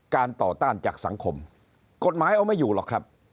ต่อต้านจากสังคมกฎหมายเอาไม่อยู่หรอกครับ